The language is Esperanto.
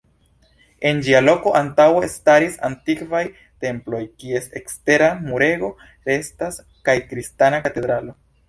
En ĝia loko antaŭe staris antikvaj temploj, kies ekstera murego restas, kaj kristana katedralo.